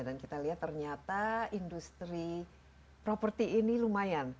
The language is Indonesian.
dan kita lihat ternyata industri property ini lumayan